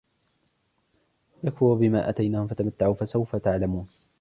لِيَكْفُرُوا بِمَا آتَيْنَاهُمْ فَتَمَتَّعُوا فَسَوْفَ تَعْلَمُونَ